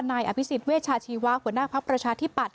นายอภิษฐ์เวชชาชีวะหัวหน้าภพประชาธิปัตร